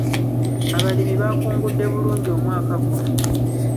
Abalimi baakungudde bulungi omwaka guno.